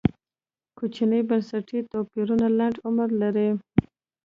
کوچني بنسټي توپیرونه لنډ عمر لري.